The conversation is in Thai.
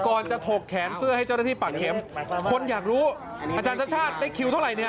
ก่อนจะถกแขนเสื้อให้เจ้าหน้าที่ปากเข็มคนอยากรู้อาจารย์ชาติชาติได้คิวเท่าไหร่เนี่ย